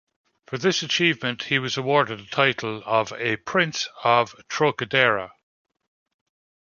For this achievement, he was awarded the title of a "Prince of Trocadero".